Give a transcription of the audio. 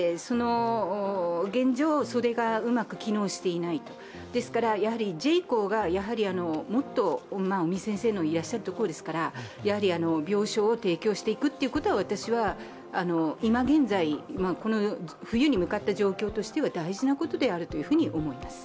現状、それがうまく機能していないですから、ＪＣＨＯが、もっと尾身先生のいらっしゃるところですから病床を提供していくということが、今現在、この冬に向かった状況としては大事なことであると思います。